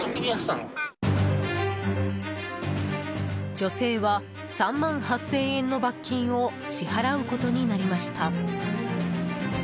女性は３万８０００円の罰金を支払うことになりました。